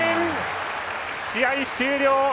試合終了。